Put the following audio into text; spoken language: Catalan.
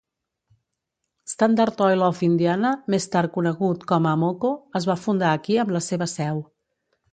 Standard Oil of Indiana, més tard conegut com Amoco, es va fundar aquí amb la seva seu.